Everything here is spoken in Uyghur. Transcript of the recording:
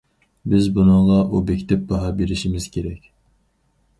بىز بۇنىڭغا ئوبيېكتىپ باھا بېرىشىمىز كېرەك.